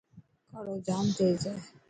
ڪاڙو جام تيز هي.